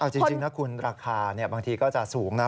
จริงนะคุณราคาบางทีก็จะสูงนะ